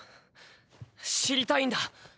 知りたいんだ。